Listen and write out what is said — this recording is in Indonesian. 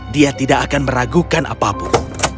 dia tidak akan meragukan apapun